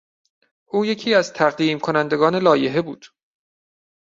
او یکی از تقدیم کنندگان لایحه بود.